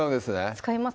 使います